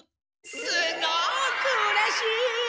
すごくうれしい！